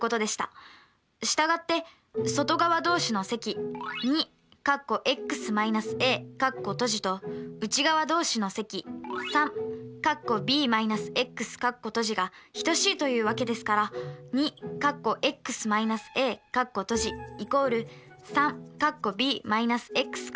従って外側同士の積２と内側同士の積３が等しいというわけですから２＝３となります。